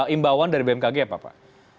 imbauan dari bmkg apa pak